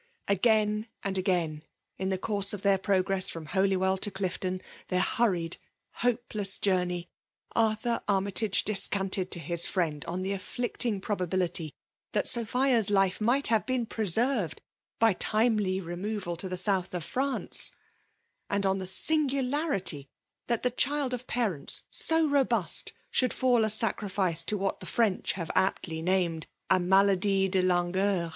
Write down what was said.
Again and agaip, in the course of their progress from Holywell to Clifton, their hurried, hopeless journey, Arthur Armytage descanted to his friend on the afflicting probability that Sophia*s life might have been preperved by timely removal to the South of France ; and on the singularity that tlic child of parents so robust^ should fall a sacrifice to what the French have aptly named a maladie de langueur.